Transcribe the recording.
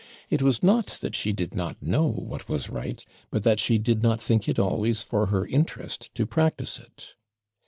It was not that she did not know what was right, but that she did not think it always for her interest to practise it.